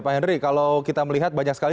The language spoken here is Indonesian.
pak henry kalau kita melihat banyak sekali